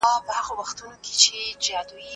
کینز وویل چې د خلګو عاید باید ډېر سي.